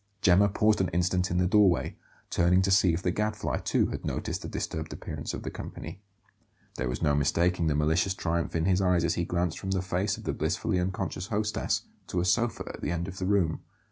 Gemma paused an instant in the doorway, turning to see if the Gadfly, too, had noticed the disturbed appearance of the company. There was no mistaking the malicious triumph in his eyes as he glanced from the face of the blissfully unconscious hostess to a sofa at the end of the room.